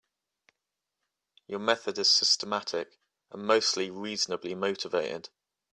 Your method is systematic and mostly reasonably motivated.